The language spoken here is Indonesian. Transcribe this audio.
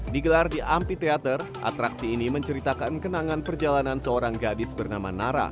digelar di ampi teater atraksi ini menceritakan kenangan perjalanan seorang gadis bernama nara